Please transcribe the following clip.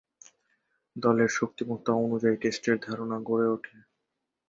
দলের শক্তিমত্তা অনুযায়ী টেস্টের ধারণা গড়ে উঠে।